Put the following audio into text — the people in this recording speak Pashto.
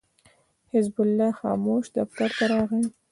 حزب الله خاموش دفتر ته راغی.